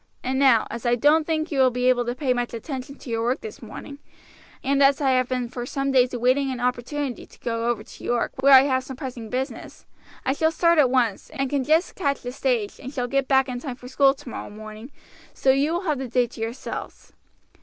And now, as I don't think you will be able to pay much attention to your work this morning, and as I have been for some days awaiting an opportunity to go over to York, where I have some pressing business, I shall start at once, and can just catch the stage, and shall get back in time for school tomorrow morning, so you will have the day to yourselves."